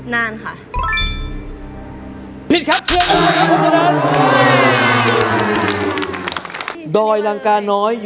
นานหรือเชียงราย